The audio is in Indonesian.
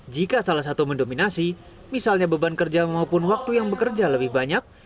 jika salah satu mendominasi misalnya beban kerja maupun waktu yang bekerja lebih banyak